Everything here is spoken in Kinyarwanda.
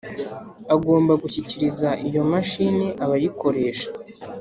Agomba gushyikiriza iyo mashini abayikoresha